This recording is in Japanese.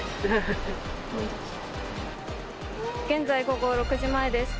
現在、午後６時前です。